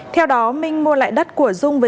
theo đó minh mua lại đất của dung với giá bốn triệu